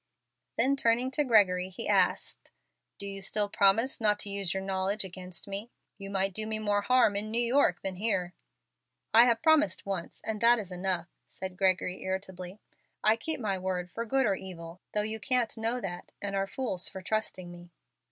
Then turning to Gregory he asked, "Do you still promise not to use your knowledge against me? You might do me more harm in New York than here." "I have promised once, and that is enough," said Gregory, irritably. "I keep my word for good or evil, though you can't know that, and are fools for trusting me."